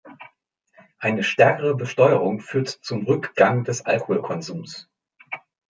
Eine stärkere Besteuerung führt zum Rückgang des Alkoholkonsums.